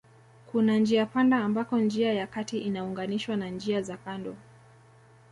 Kuna njiapanda ambako njia ya kati inaunganishwa na njia za kando